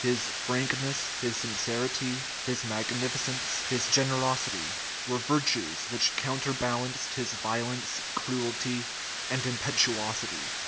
His frankness, his sincerity, his magnificence, his generosity, were virtues which counterbalanced his violence, cruelty, and impetuosity.